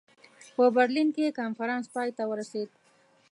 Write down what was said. په برلین کې کنفرانس پای ته ورسېد.